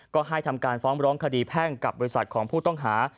ก็ให้ทำการฟ้องร้องคดีแพ่งกับบริษัทของผู้ต้องหา